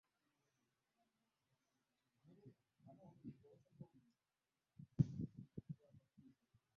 Kyannaku okulaba nti ku mulembe guno wakyaliwo abazadde n’abasomesa abakyagamba nti enkuuma y’obudde ey’Abafirika.